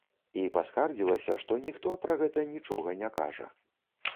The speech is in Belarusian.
І паскардзілася, што ніхто пра гэта нічога не кажа.